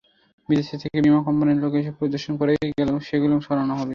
বিদেশ থেকে বিমা কোম্পানির লোক এসে পরিদর্শন করে গেলেই সেগুলো সরানো হবে।